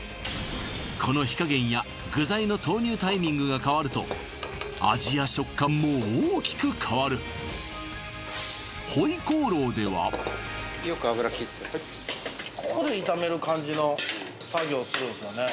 この火加減や具材の投入タイミングが変わると味や食感も大きく変わるここで炒める感じの作業するんですよね